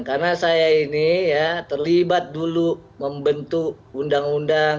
karena saya ini ya terlibat dulu membentuk undang undang